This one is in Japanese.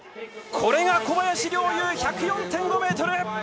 これが小林陵侑１０４．５ｍ。